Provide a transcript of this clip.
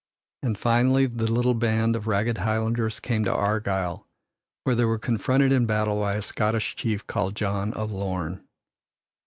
And finally the little band of ragged highlanders came to Argyl, where they were confronted in battle by a Scottish chief called John of Lorn.